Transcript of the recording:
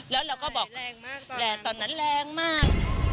แล้วเราก็บอกตอนนั้นแรงมาก